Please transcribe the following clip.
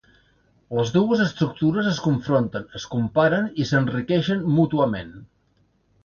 Les dues estructures es confronten, es comparen, i s'enriqueixen mútuament.